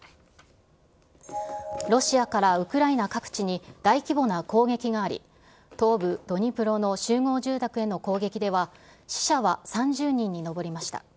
ロシアからウクライナ各地に大規模な攻撃があり、東部ドニプロの集合住宅への攻撃では、死者は３０人に上りました。